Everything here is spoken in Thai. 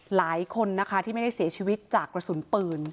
หลายคนนะคะที่ไม่ได้เสียชีวิตจากกระสุนปืน